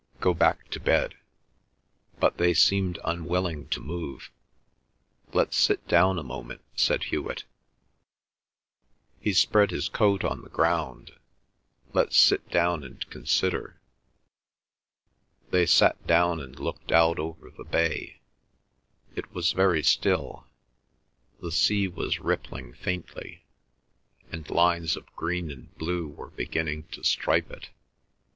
"Go back to bed." But they seemed unwilling to move. "Let's sit down a moment," said Hewet. He spread his coat on the ground. "Let's sit down and consider." They sat down and looked out over the bay; it was very still, the sea was rippling faintly, and lines of green and blue were beginning to stripe it.